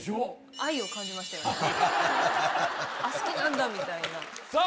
あっ好きなんだみたいなさあ